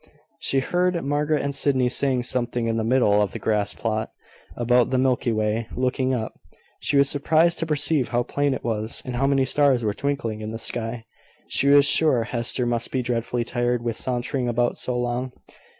She heard Margaret and Sydney saying something in the middle of the grass plot about the Milky Way: looking up, she was surprised to perceive how plain it was, and how many stars were twinkling in the sky. She was sure Hester must be dreadfully tired with sauntering about so long.